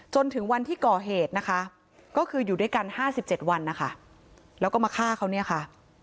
จนถึงวันที่ก่อเหตุนะคะก็คืออยู่ด้วยกัน๕๗วันนะคะแล้วก็มาฆ่าเขาเนี่ยค่ะ